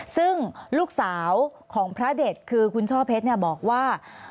ซึ่งลูกสาวของพระเด็ดคือคุณช่อเพชรบอกว่า